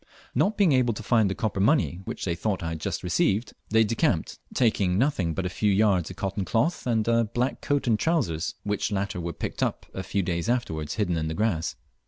Not being able to find the copper money which they thought I had just received, they decamped, taking nothing but a few yards of cotton cloth and a black coat and trousers, which latter were picked up a few days afterwards hidden in the grass.